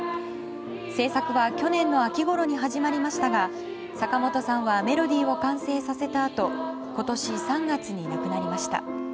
制作は去年の秋ごろに始まりましたが坂本さんはメロディーを完成させたあと今年３月に亡くなりました。